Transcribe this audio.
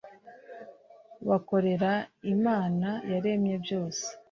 bakorera imana yaremye byose